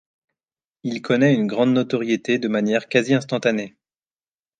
Il connait une grande notoriété de manière quasi instantanée.